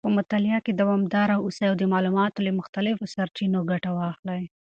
په مطالعه کې دوامداره اوسئ او د معلوماتو له مختلفو سرچینو ګټه واخلئ.